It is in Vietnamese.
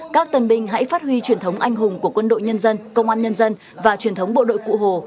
các tân binh hãy phát huy truyền thống anh hùng của quân đội nhân dân công an nhân dân và truyền thống bộ đội cụ hồ